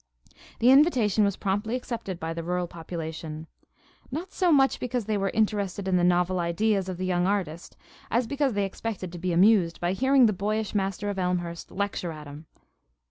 The invitation was promptly accepted by the rural population; not so much because they were interested in the novel ideas of the young artist as because they expected to be amused by hearing the boyish master of Elmhurst "lecture at 'em."